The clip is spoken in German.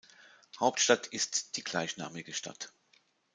Hauptstadt ist die gleichnamige Stadt.